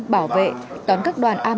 điều hành động của bác hồ